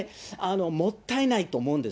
もったいないと思うんです。